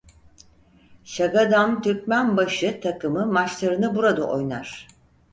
Şagadam Türkmenbaşı takımı maçlarını burada oynar.